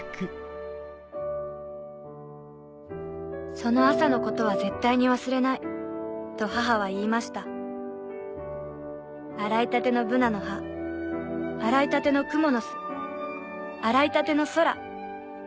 その朝のことは絶対に忘れないと母は言いました洗いたてのブナの葉洗いたてのクモの巣洗いたての空